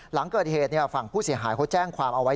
หลังเกิดเหตุฝั่งผู้เสียหายเขาแจ้งความเอาไว้